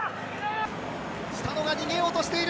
スタノが逃げようとしている。